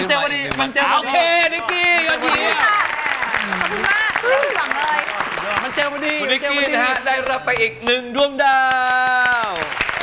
นิกี้ได้รับไปอีกหนึ่งรวมดาว